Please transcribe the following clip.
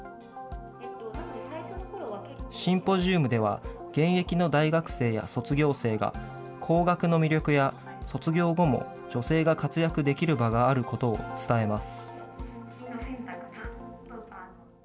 シンポジウムでは、現役の大学生や卒業生が、工学の魅力や、卒業後も女性が活躍できる場があることを伝えます。